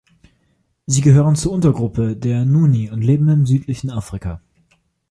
Sie gehören zur Untergruppe der Nguni und leben im südlichen Afrika.